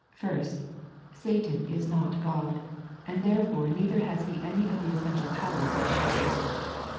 First, Satan is not God, and there fore neither has he any of the essential powers of Deity.